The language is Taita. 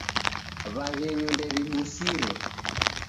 W'aghenyu ndew'ibusire.